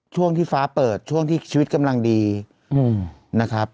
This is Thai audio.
ช่วงที่ฟ้าเปิดช่วงที่ชีวิตกำลังดีนะครับ